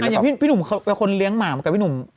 อย่างพี่หนุ่มเขาเป็นคนเลี้ยงหมาเหมือนกับพี่หนุ่ม